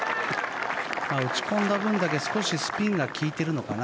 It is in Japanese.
打ち込んだ分だけ少しスピンが効いてるのかな。